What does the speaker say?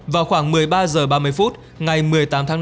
vào khoảng một mươi ba h ba mươi phút ngày một mươi tám tháng năm